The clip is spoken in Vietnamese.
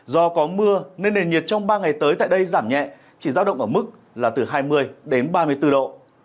do có mưa nên nền nhiệt trong ba ngày tới tại đây giảm nhẹ chỉ giao động ở mức là từ hai mươi đến ba mươi bốn độ